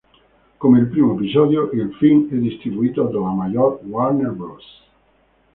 Come il primo episodio, il film è distribuito dalla major Warner Bros.